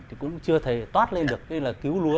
thì cũng chưa thấy toát lên được cái là cứu lúa